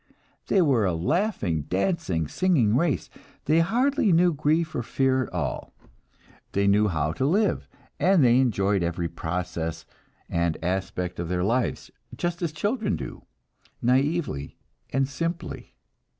They were a laughing, dancing, singing race. They hardly knew grief or fear at all. They knew how to live, and they enjoyed every process and aspect of their lives, just as children do, naively and simply.